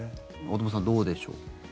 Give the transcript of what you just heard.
大友さん、どうでしょう。